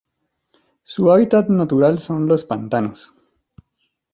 Su hábitat natural son los pantanos.